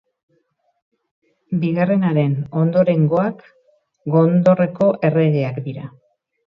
Bigarrenaren ondorengoak, Gondorreko erregeak dira.